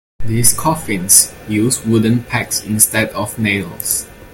These coffins use wooden pegs instead of nails.